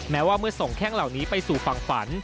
แม้ว่าเมื่อส่งแข้งเหล่านี้ไปสู่ฝั่งฝัน